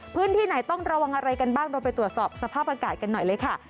พื้นที่ไหนต้องระวังอะไรกันบ้างเราไปตรวจสอบสภาพอากาศกันหน่อยเลยค่ะ